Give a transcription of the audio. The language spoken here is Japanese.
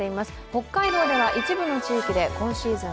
北海道では一部の地域で今シーズン